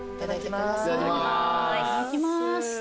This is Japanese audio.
いただきます。